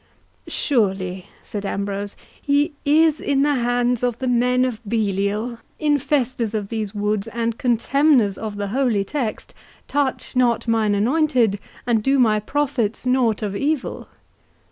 "Surely," said Ambrose, "he is in the hands of the men of Belial, infesters of these woods, and contemners of the holy text, 'Touch not mine anointed, and do my prophets naught of evil.